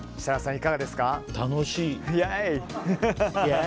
楽しい。